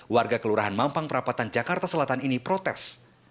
warga kelurahan mampang perapatan jakarta selatan ini protes